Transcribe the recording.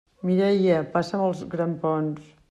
Mireia, passa'm els grampons!